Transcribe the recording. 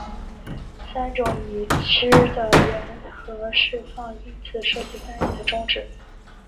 有三种已知的原核释放因子涉及翻译的终止。